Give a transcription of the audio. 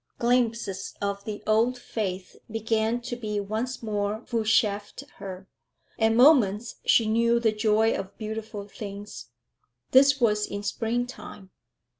Glimpses of the old faith began to be once more vouchsafed her; at moments she knew the joy of beautiful things. This was in spring time.